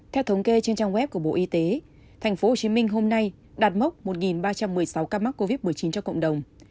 theo thống kê trên trang web của bộ y tế tp hcm hôm nay đạt mốc một ba trăm một mươi sáu ca mắc covid một mươi chín cho cộng đồng